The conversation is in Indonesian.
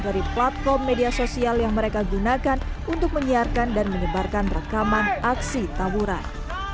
dari platform media sosial yang mereka gunakan untuk menyiarkan dan menyebarkan rekaman aksi tawuran